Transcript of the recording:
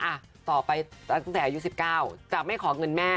อ่ะต่อไปตั้งแต่อายุ๑๙จะไม่ขอเงินแม่